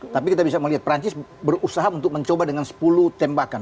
tapi kita bisa melihat perancis berusaha untuk mencoba dengan sepuluh tembakan